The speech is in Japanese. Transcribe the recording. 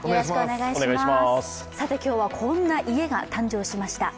今日はこんな家が誕生しました。